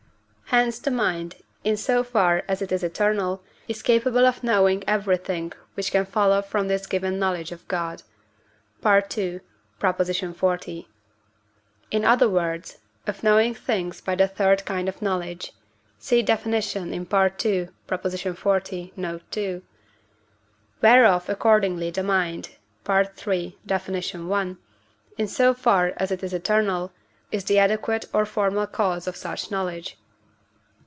hence the mind, in so far as it is eternal, is capable of knowing everything which can follow from this given knowledge of God (II. xl.), in other words, of knowing things by the third kind of knowledge (see Def. in II. xl. note. ii.), whereof accordingly the mind (III. Def. i.), in so far as it is eternal, is the adequate or formal cause of such knowledge.